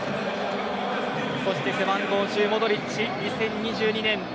そして背番号１０、モドリッチ２０２２年